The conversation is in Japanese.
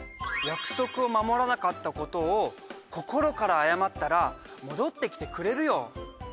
約束を守らなかったことを心からあやまったらもどってきてくれるよ。